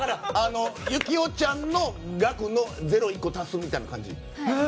行雄ちゃんの額に０を１個足すくらいな感じ。